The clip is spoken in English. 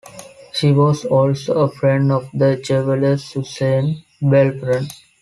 She was also a friend of the jeweller Suzanne Belperron.